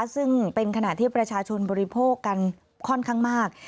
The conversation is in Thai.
ซึ่งเป็นขณะที่ประชาชนบริโภคกันค่อนข้างมาก